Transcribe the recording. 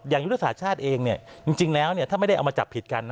อย่างยุติศาสตร์ชาติเองเนี่ยจริงแล้วเนี่ยถ้าไม่ได้เอามาจับผิดกันนะ